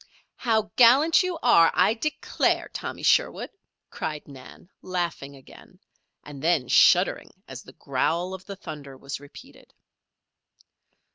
"How gallant you are, I declare, Tommy Sherwood," cried Nan, laughing again, and then shuddering as the growl of the thunder was repeated.